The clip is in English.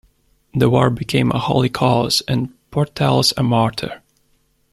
The war became a holy cause, and Portales a martyr.